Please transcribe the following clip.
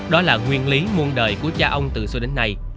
đó là nguyên lý muôn đời của cha ông từ xưa đến nay